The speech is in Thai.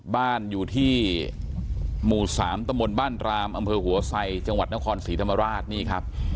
บ้านอยู่ที่หมู่๓ตะมนต์บ้านรามอำเภอหัวไซจังหวัดนครศรีธรรมราชนี่ครับ